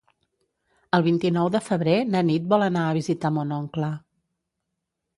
El vint-i-nou de febrer na Nit vol anar a visitar mon oncle.